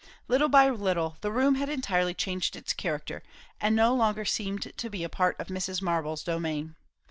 Little by little the room had entirely changed its character, and no longer seemed to be a part of Mrs. Marble's domain.